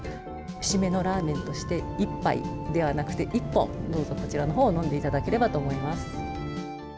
締めのラーメンとして一杯ではなくて、一本、どうぞこちらのほうを飲んでいただければと思います。